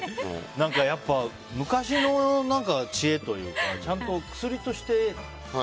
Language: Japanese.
何かやっぱ昔の知恵というかちゃんと薬としての。